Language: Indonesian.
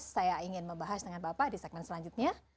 saya ingin membahas dengan bapak di segmen selanjutnya